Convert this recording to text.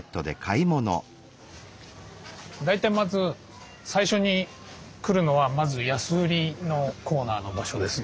大体まず最初に来るのはまず安売りのコーナーの場所ですね。